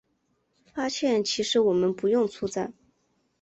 发现其实我们不用出站